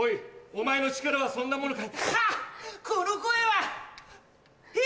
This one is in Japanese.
お前の力はこんなものか？